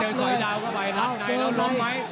เจอสอยดาวก็ไปรับไหนแล้วล้มไหม